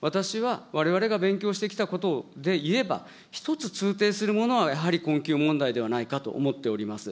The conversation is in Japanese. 私は、われわれが勉強してきたことでいえば、一つ通底するものはやはり困窮問題ではないかと思っております。